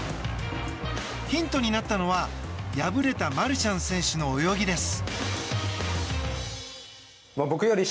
ヒントになったのは、敗れたマルシャン選手の泳ぎです。